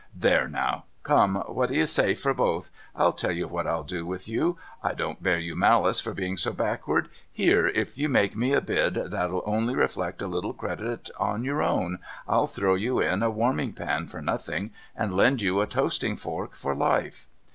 There now ! Come ! What do you say for both ? I'll tell you what I'll do with you. I don't bear you malice for being so backward. Here ! If you make me a bid that'll only reflect a little credit on your town, I'll throw you in a warming pan for nothing, and lend you a toasting fork for life.